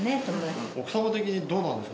奥様的にどうなんですか？